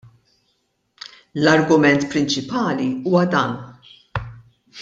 L-argument prinċipali huwa dan.